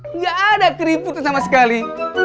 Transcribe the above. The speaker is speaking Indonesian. nggak ada keriputan sama sekali